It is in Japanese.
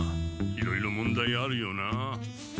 いろいろ問題あるよなあ。